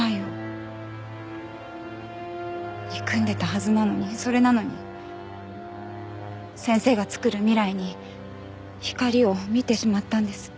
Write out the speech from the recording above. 憎んでたはずなのにそれなのに先生がつくる未来に光を見てしまったんです。